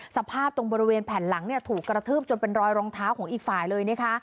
สภาพตรงบริเวณแผ่นหลังถูกกระทืบจนเป็นรอยรองเท้าของอีกฝ่ายเลยนะคะ